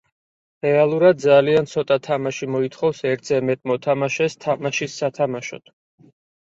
რეალურად ძალიან ცოტა თამაში მოითხოვს ერთზე მეტ მოთამაშეს თამაშის სათამაშოდ.